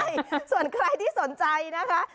ใช่ส่วนใครที่สนใจนะคะ